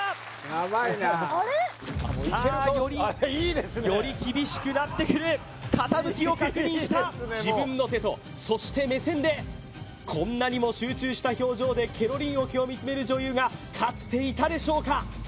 ヤバいなさあよりより厳しくなってくる傾きを確認した自分の手とそして目線でこんなにも集中した表情でケロリン桶を見つめる女優がかつていたでしょうか？